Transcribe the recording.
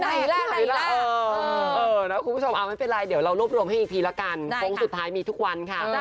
คุณผู้ชมเอาไม่เป็นไรเดี๋ยวเรารวบรวมให้อีกทีละกันโค้งสุดท้ายมีทุกวันค่ะ